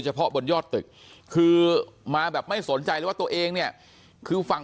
เฉพาะบนยอดตึกคือมาแบบไม่สนใจเลยว่าตัวเองเนี่ยคือฝั่ง